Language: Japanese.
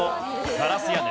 ガラス屋根。